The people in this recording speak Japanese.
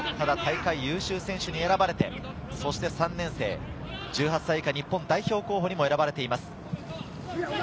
大会優秀選手に選ばれて、そして３年生、１８歳以下日本代表候補にも選ばれています。